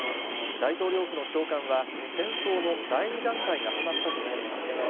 大統領府の長官は、戦争の第２段階が始まったとしています。